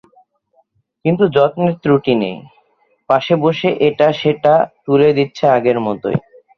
কিন্তু যত্নের ত্রুটি নেই, পাশে বসে এটা-সেটা তুলে দিচ্ছে আগের মতোই।